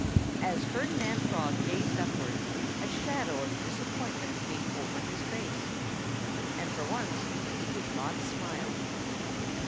As Ferdinand Frog gazed upward a shadow of disappointment came over his face. And for once he did not smile.